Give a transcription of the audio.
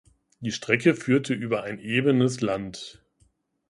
Die Strecke führte über ebenes Land.